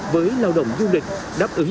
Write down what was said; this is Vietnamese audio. với lao động du lịch đáp ứng